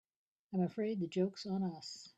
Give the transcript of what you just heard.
I'm afraid the joke's on us.